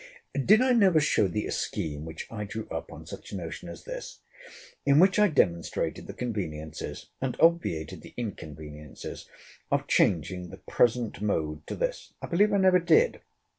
Did I never show thee a scheme which I drew up on such a notion as this?—In which I demonstrated the conveniencies, and obviated the inconveniencies, of changing the present mode to this? I believe I never did.